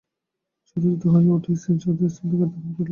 সে উত্তেজিত হইয়া উঠিয়া স্ত্রীজাতির স্তবগান করিতে আরম্ভ করিল।